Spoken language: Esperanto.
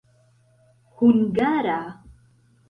hungara